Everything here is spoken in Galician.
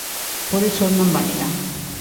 Por iso el non valía.